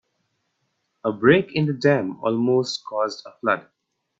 A break in the dam almost caused a flood.